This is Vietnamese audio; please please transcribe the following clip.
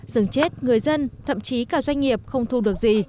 rừng chết người dân thậm chí cả doanh nghiệp không thu được gì